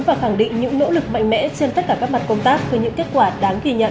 và khẳng định những nỗ lực mạnh mẽ trên tất cả các mặt công tác với những kết quả đáng ghi nhận